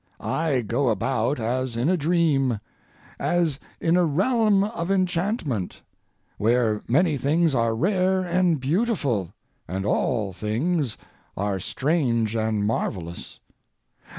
I go about as in a dream—as in a realm of enchantment—where many things are rare and beautiful, and all things are strange and marvellous.